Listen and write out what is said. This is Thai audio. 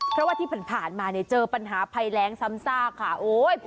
เพราะว่าที่ผ่านมาเนี่ยเจอปัญหาภัยแรงซ้ำซากค่ะโอ้ย